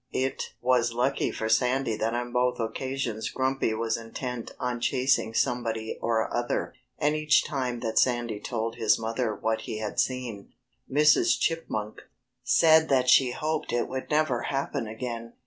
It was lucky for Sandy that on both occasions Grumpy was intent on chasing somebody or other. And each time that Sandy told his mother what he had seen, Mrs. Chipmunk said that she hoped it would never happen again.